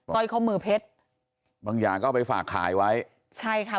ร้อยข้อมือเพชรบางอย่างก็เอาไปฝากขายไว้ใช่ค่ะ